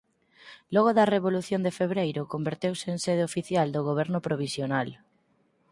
Logo da Revolución de Febreiro converteuse en sede oficial do Goberno provisional.